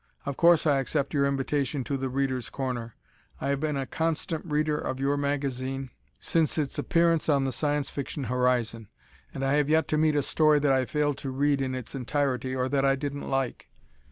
Of course I accept your invitation to "The Readers' Corner." I have been a constant Reader of your magazine since its appearance on the Science Fiction horizon, and I have yet to meet a story that I failed to read in its entirety or that I didn't like.